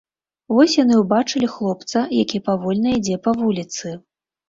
Вось яны ўбачылі хлопца, які павольна ідзе па вуліцы.